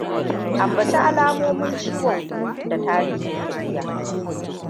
Ambaci alamomin ciwon ku da tarihin tafiya.